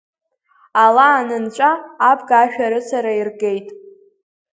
Ала анынҵәа, абга шәарыцара иргеит!